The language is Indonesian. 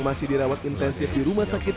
masih dirawat intensif di rumah sakit